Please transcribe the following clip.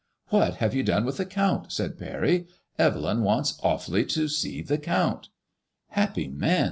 " What have you done with the Count?" said Parry; "Evelyn wants awfully to see the Count." " Happy man